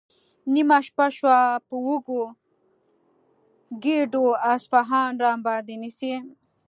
نیمه شپه شوه، په وږو ګېډو اصفهان راباندې نیسي؟